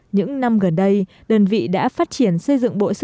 những năm gần đây đơn vị đã phát triển xây dựng bộ sưu tập tài liệu